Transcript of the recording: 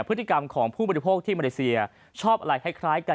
พฤติกรรมของผู้บริโภคที่มาเลเซียชอบอะไรคล้ายกัน